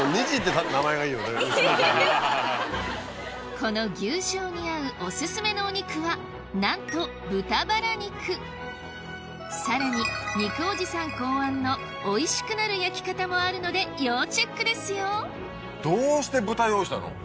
この牛醤に合うオススメのお肉はなんとさらに肉おじさん考案のおいしくなる焼き方もあるので要チェックですよどうして豚用意したの？